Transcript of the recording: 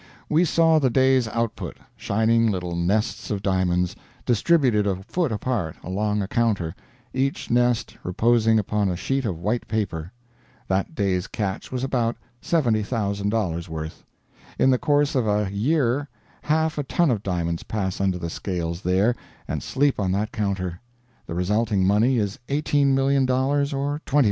We saw the day's output shining little nests of diamonds, distributed a foot apart, along a counter, each nest reposing upon a sheet of white paper. That day's catch was about $70,000 worth. In the course of a year half a ton of diamonds pass under the scales there and sleep on that counter; the resulting money is $18,000,000 or $20,000,000.